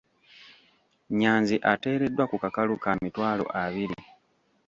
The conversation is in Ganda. Nyanzi ateereddwa ku kakalu ka mitwalo abiri.